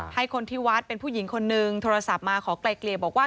ให้คนที่วัดเป็นผู้หญิงคนนึงโทรศัพท์มาขอไกลเกลี่ยบอกว่า